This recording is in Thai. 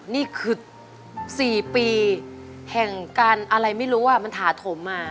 นี่คือ๔ปีแห่งการอะไรไม่รู้มันถาถมมา